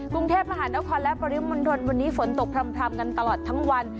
กรุงเทพมหานครและปริมณฑลวันนี้ฝนตกพร่ำกันตลอดทั้งวัน